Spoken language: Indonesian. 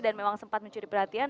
dan memang sempat mencuri perhatian